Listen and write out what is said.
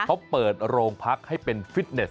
เขาเปิดโรงพักให้เป็นฟิตเนส